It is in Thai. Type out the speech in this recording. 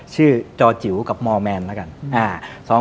จอจิ๋วกับมอร์แมนแล้วกัน